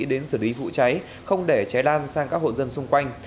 đến xử lý vụ cháy không để cháy lan sang các hộ dân xung quanh